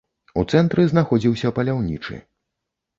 У цэнтры знаходзіўся паляўнічы.